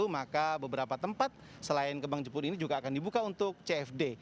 maka beberapa tempat selain kembang jepun ini juga akan dibuka untuk cfd